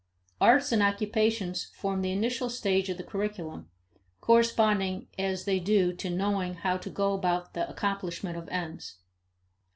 Arts and occupations form the initial stage of the curriculum, corresponding as they do to knowing how to go about the accomplishment of ends.